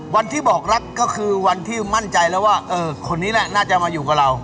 บอกรักก็คือวันที่มั่นใจแล้วว่าเออคนนี้แหละน่าจะมาอยู่กับเรา